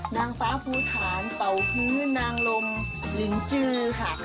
นางฟ้าภูฐานเป่าพื้นนางลมหญิงจื้อค่ะ